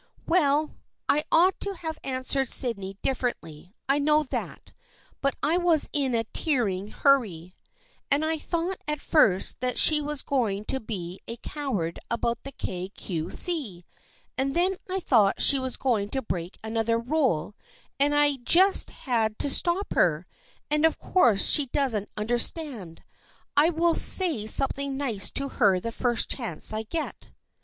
" Well, I ought to have answered Sydney dif ferently, I know that, but I was in a tearing hurry, and I thought at first that she was going to be a coward about the Kay Cue See and then I thought she was going to break another rule, and I just had to stop her, and of course she doesn't understand. THE FRIENDSHIP OF ANNE 85 I will say something nice to her the first chance I get."